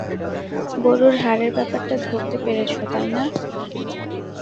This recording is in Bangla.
গরুর হাড়ের ব্যাপারটা ধরতে পেরেছ, তাই না?